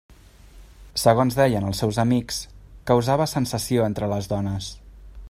Segons deien els seus amics, causava sensació entre les dones.